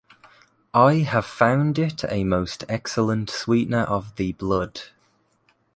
I have found it a most excellent sweetener of the blood.